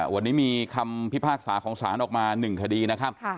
วันนี้มีคำพิพากษาของศาลออกมา๑คดีนะครับ